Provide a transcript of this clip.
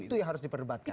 itu yang harus diperdebatkan